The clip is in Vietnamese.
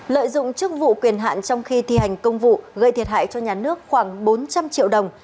lợi dụng chức vụ quyền hạn trong khi thi hành công vụ gây thiệt hại cho nhà nước khoảng bốn trăm linh triệu đồng